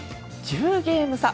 １０ゲーム差。